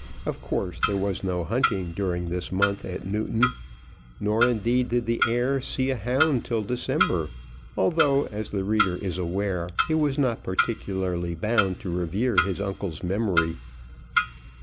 Of course there was no hunting during this month at Newton. Nor indeed did the heir see a hound till December, although, as the reader is aware, he was not particularly bound to revere his uncle's memory.